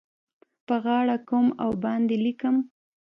په غاړه کوم او باندې لیکم